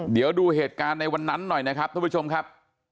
เดี๋ยวดูเหตุการณ์ในวันนั้นหน่อยนะครับท่านผู้ชมครับ